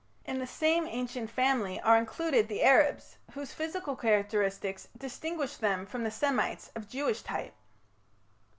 In the same ancient family are included the Arabs, whose physical characteristics distinguish them from the Semites of Jewish type.